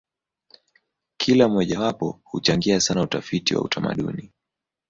Kila mojawapo huchangia sana utafiti wa utamaduni.